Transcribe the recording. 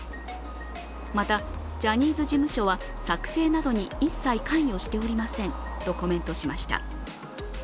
また、ジャニーズ事務所は作成などに一切関与していませんとコメントしました。